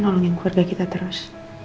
nolongin keluarga kita terus